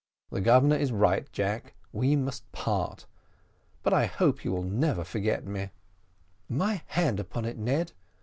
The Governor is right, Jack: we must part, but I hope you never will forget me." "My hand upon it, Ned.